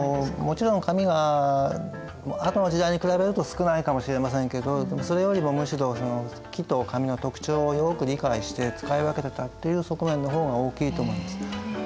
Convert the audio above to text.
もちろん紙はあとの時代に比べると少ないかもしれませんけどそれよりもむしろ木と紙の特長をよく理解して使い分けてたっていう側面の方が大きいと思います。